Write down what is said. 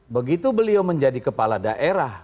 begitu beliau menjadi kepala daerah